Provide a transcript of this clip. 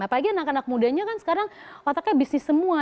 apalagi anak anak mudanya kan sekarang otaknya bisnis semua